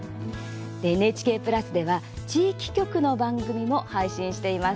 ＮＨＫプラスでは地域局の番組も配信しています。